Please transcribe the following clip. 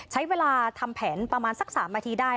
ใช้เวลาทำแผนประมาณสัก๓นาทีได้